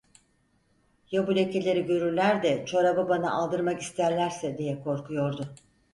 "Ya bu lekeleri görürler de çorabı bana aldırmak isterlerse!" diye korkuyordu.